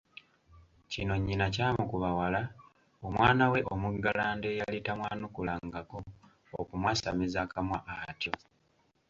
Kino nnyina kyamukuba wala omwana we omuggalanda eyali tamwanukulangako okumwasamiza akamwa atyo!